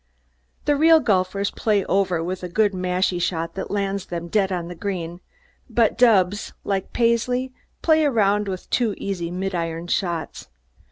The real golfers play over with a good mashie shot that lands them dead on the green, but dubs, like Paisley, play around with two easy mid iron shots.